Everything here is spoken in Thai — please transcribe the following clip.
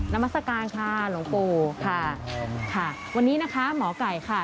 นามัศกาลค่ะหลวงปู่ค่ะค่ะวันนี้นะคะหมอไก่ค่ะ